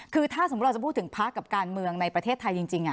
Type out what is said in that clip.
คือถ้าสมมุติเราจะพูดถึงพักกับการเมืองในประเทศไทยจริง